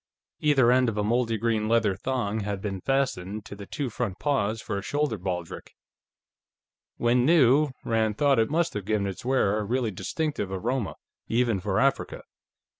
Either end of a moldy green leather thong had been fastened to the two front paws for a shoulder baldric. When new, Rand thought, it must have given its wearer a really distinctive aroma, even for Africa.